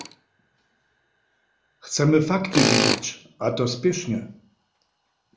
Chcemy fakty widźeć – a to spěšnje.